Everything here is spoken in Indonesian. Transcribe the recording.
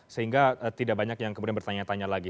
sehingga tidak banyak yang kemudian bertanya tanya lagi